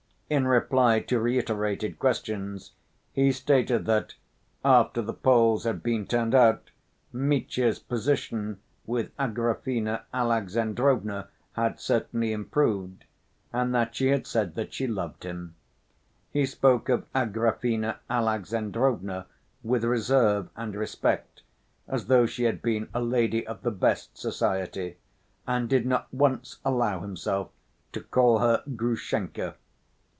In reply to reiterated questions he stated that, after the Poles had been turned out, Mitya's position with Agrafena Alexandrovna had certainly improved, and that she had said that she loved him. He spoke of Agrafena Alexandrovna with reserve and respect, as though she had been a lady of the best society, and did not once allow himself to call her Grushenka.